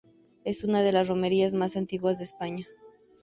Es una de las romerías más antiguas de España.